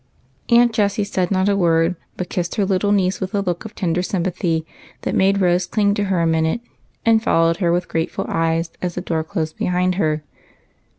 Aunt Jessie said not a word, but kissed her little niece, with a look of tender sympathy that made Rose cling to her a minute, and follow her with grateful eyes as the door closed behind her.